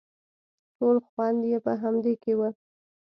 ټول خوند يې په همدې کښې و.